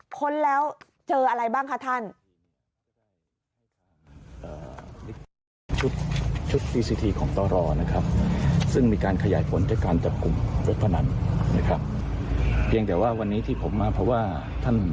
ค้นแล้วเจออะไรบ้างคะท่าน